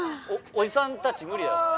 おじさんたち無理だよ。